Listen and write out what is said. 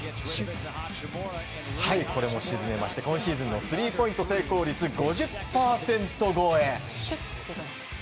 これも沈めまして今シーズンのスリーポイントの成功率５０％超え。